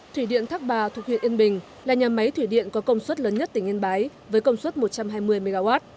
thủy điện thác bà thuộc huyện yên bình là nhà máy thủy điện có công suất lớn nhất tỉnh yên bái với công suất một trăm hai mươi mw